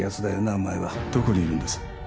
お前はどこにいるんです？